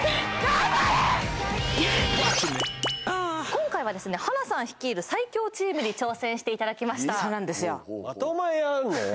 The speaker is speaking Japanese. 今回はですねはなさん率いる最強チームに挑戦していただきましたそうなんですよ